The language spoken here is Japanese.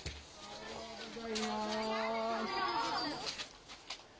おはようございます。